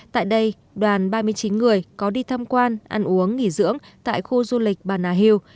tại đây đoàn ba mươi chín người có đi thăm quan ăn uống nghỉ dưỡng tại khu du lịch bà nà hiêu